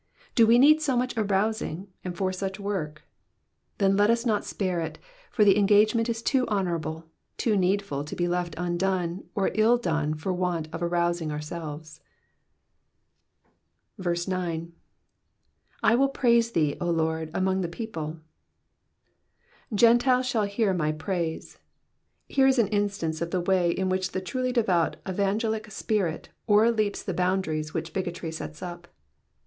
Do we need so much arousing, and for such work? Then let us not spare it, for the engagement is too honorable, too needful to be left undone or ill done for want of arousing ourselves. 9. 7 ttnU praise thee^ 0 Lord, among the people.'''' Gentiles shall hear my praise. Here is an instance of the way in which the truly devout evangelic spirit o'erleaps the boundaries which bigotry sets up.